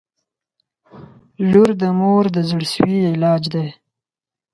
• لور د مور د زړسوي علاج دی.